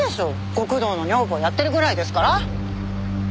極道の女房やってるぐらいですから。